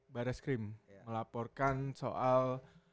baras krim melaporkan soal